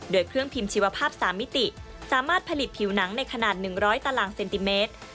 โดยเครื่องพิมพ์ชีวภาพ๓มิติสามารถผลิตผิวหนังในขนาด๑๐๐ตารางเซนติเมตร